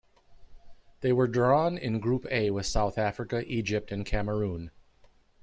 They were drawn in Group A with South Africa, Egypt and Cameroon.